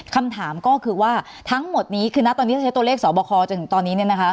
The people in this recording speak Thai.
คำถามก็คือว่าทั้งหมดนี้คือนะตอนนี้ถ้าใช้ตัวเลขสอบคอจนถึงตอนนี้